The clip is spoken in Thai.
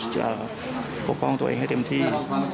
ปกป้องตัวเองให้เต็มที่